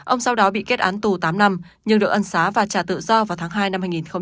ông sau đó bị kết án tù tám năm nhưng được ân xá và trả tự do vào tháng hai năm hai nghìn một mươi chín